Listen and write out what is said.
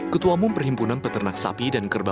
ketua umum perhimpunan peternak sapi dan kerbau